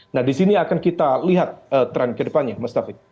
nah di sini akan kita lihat trend ke depannya mas taufik